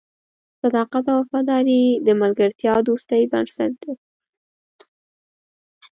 صداقت او وفاداري د ملګرتیا او دوستۍ بنسټ دی.